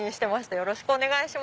よろしくお願いします。